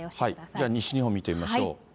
じゃあ、西日本見てみましょう。